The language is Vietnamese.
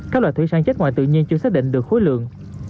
các loại thủy sản chất ngoài tự nhiên chưa xác định được khối lượng